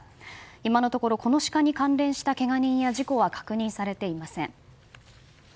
今のところこのシカに関連した事故やけが人は確認されていません。